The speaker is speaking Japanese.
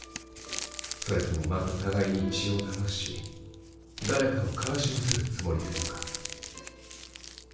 それともまた互いに血を流し誰かを悲しませるつもりですか？